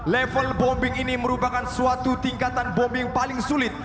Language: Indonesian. level bombing ini merupakan suatu tingkatan bombing paling sulit